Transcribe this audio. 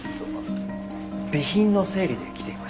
備品の整理で来ていました。